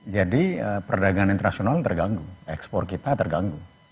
jadi perdagangan internasional terganggu ekspor kita terganggu